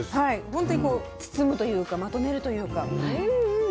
本当にこう包むというかまとめるというか。